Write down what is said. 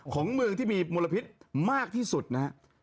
ของเมืองที่มีมลพิษมากที่สุดนะฮะ